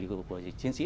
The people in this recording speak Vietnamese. của chiến sĩ